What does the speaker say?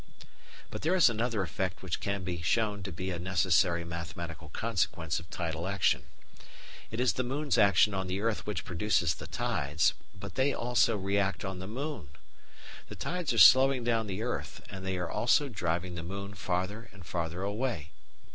But there is another effect which can be shown to be a necessary mathematical consequence of tidal action. It is the moon's action on the earth which produces the tides, but they also react on the moon. The tides are slowing down the earth, and they are also driving the moon farther and farther away.